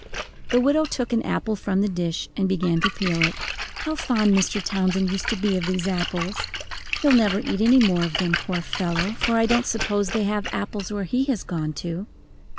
The widow took an apple from the dish and began to peel it. "How fond Mr. Townsend used to be of these apples! He'll never eat any more of them, poor fellow, for I don't suppose they have apples where he has gone to.